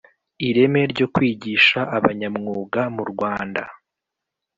ireme ryo kwigisha abanyamwuga murwanda